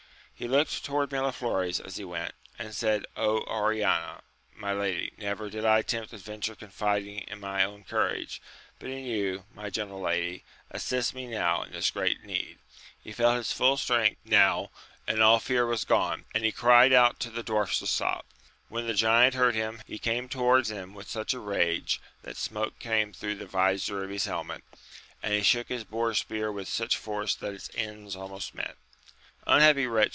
He looked toward Miraflores as he went, and said, Oriana, my lady, never did I attempt adventure confiding in my own courage, but in you : my gentle lady, assist me now, in this great need ! He felt his foil strength 30 AMADIS OF GAUL. now, and all fear was gone, and he cried out to the dwarfs to stop. When the giant heard him, he came towards him with such rage that smoke came through the vizor of his helmet, and he shook his boar spear with such force that its ends almost met. Unhappy wretch!